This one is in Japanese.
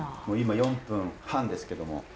もう今４分半ですけども。